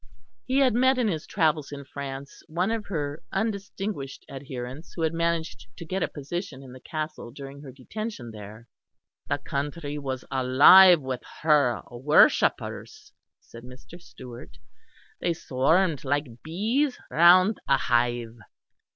He had met in his travels in France one of her undistinguished adherents who had managed to get a position in the castle during her detention there. "The country was alive with her worshippers," said Mr. Stewart. "They swarmed like bees round a hive.